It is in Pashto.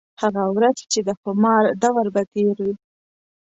هغه ورځ چې د خومار دَور به تېر وي